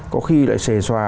có khi lại xề xòa